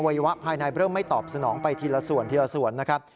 อวัยวะภายในบอบไม่ตอบสนองไปทีละส่วนนะครับ